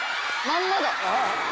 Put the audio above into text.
まんまだ！